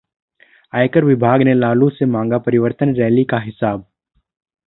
आयकर विभाग ने लालू से मांगा परिवर्तन रैली का हिसाब